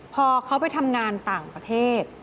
พอเขาไปทำงานต่างประเทศ